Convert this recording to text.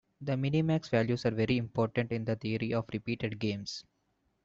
The minimax values are very important in the theory of repeated games.